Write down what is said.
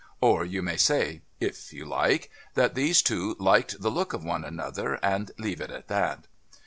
Or you may say, if you like, that these two liked the look of one another, and leave it at that.